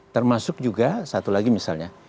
termasuk juga satu lagi misalnya